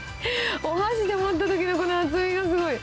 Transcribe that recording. お箸で持ったときのこの厚みがすごい。